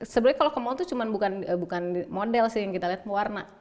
sebenarnya kalau ke mall itu cuma bukan model sih yang kita lihat warna